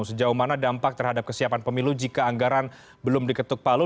sejauh mana dampak terhadap kesiapan pemilu jika anggaran belum diketuk palu